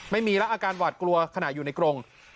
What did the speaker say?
ไม่มีแล้วอาการหวาดกลัวขณะอยู่ในกรง